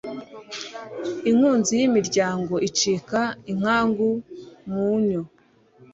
inkunzi y'imiryango icika inkangu mu nnyo